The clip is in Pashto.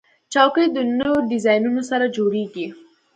چوکۍ د نوو ډیزاینونو سره جوړیږي.